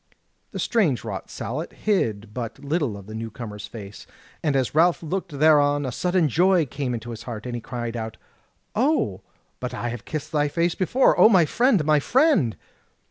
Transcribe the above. The strange wrought sallet hid but little of the new comer's face, and as Ralph looked thereon a sudden joy came into his heart, and he cried out: "O, but I have kissed thy face before! O, my friend, my friend!"